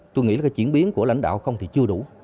tôi nghĩ là cái chuyển biến của lãnh đạo không thì chưa đủ